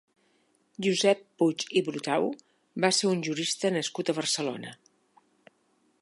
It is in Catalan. Josep Puig i Brutau va ser un jurista nascut a Barcelona.